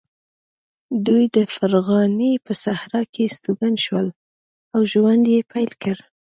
دوی د فرغانې په صحرا کې استوګن شول او ژوند یې پیل کړ.